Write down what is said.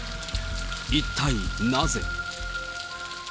一体なぜ？